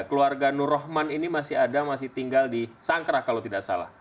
keluarga nur rahman ini masih ada masih tinggal di sangkrah kalau tidak salah